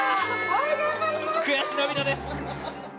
悔し涙です。